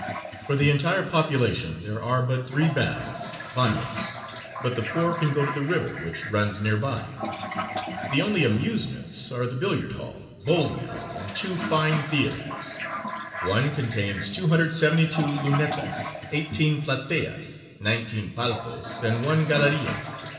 For the entire population there are but three baths (banos), but the poor can go to the river which runs near by. The only amusements are the billiard hall, bowling alley, and two fine theaters. One contains 272 lunetas, eighteen plateas, nineteen palcos, and one galeria.